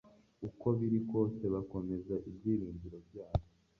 Uko biri kose bakomeza ibyiringiro byabo